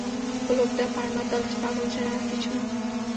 লোকটা পাড় মাতাল, পাগল ছাড়া আর কিছু না!